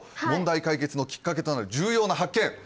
問題解決のきっかけとなる重要な発見